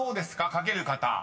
書ける方］